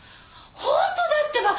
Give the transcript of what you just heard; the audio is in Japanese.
本当だってば！